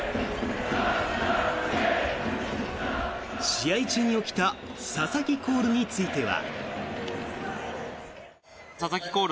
試合中に起きた佐々木コールについては。